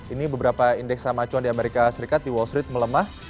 ini beberapa indeks sama acuan di amerika serikat di wall street melemah